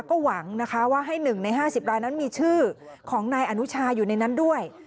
ก็หวังนะคะว่าให้๑ใน๕๐รายนั้นมีชื่อของนายอนุชาอยู่ในนั้นด้วย